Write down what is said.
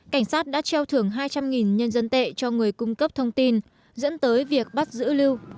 cảnh sát đã treo thưởng hai trăm linh nhân dân tệ cho người cung cấp thông tin dẫn tới việc bắt giữ lưu